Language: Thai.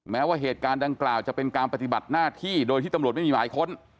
แม้ว่าเหตุการณ์ดังกล่าวจะเป็นการปฏิบัติหน้าที่โดยที่ตำรวจไม่มีหมายค้น